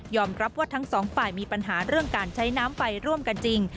รับว่าทั้งสองฝ่ายมีปัญหาเรื่องการใช้น้ำไปร่วมกันจริง